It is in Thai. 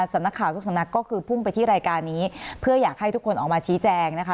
สำนักข่าวทุกสำนักก็คือพุ่งไปที่รายการนี้เพื่ออยากให้ทุกคนออกมาชี้แจงนะคะ